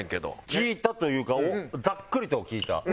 聞いたというかざっくりとは聞いた。